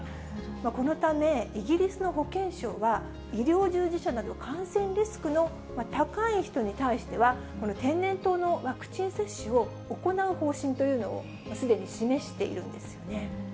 このため、イギリスの保健省は、医療従事者など感染リスクの高い人に対しては、この天然痘のワクチン接種を行う方針というのをすでに示しているんですよね。